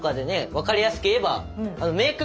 分かりやすく言えばメーク